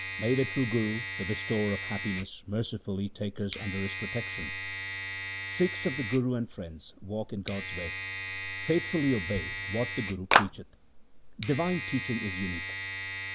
May the true Guru, the bestower of happiness, mercifully take us under his protection ! Sikhs of the Guru and friends, walk in God's way. Faithfully obey 1 what the Guru preacheth ; Divine teaching is unique.